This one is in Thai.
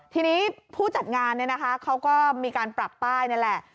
ทีนี้ผู้จัดงานก็มีการปรับป้ายนั้นแหละ